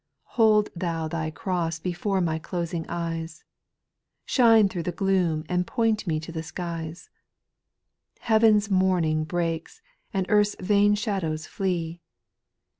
6. Hold Thou Thy cross before my closing eyes, Shine through the gloom, and point me to the skies ; Heaven's morning breaks, and earth's vain shadows flee